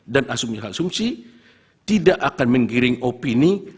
dan asumsi asumsi tidak akan menggiring opini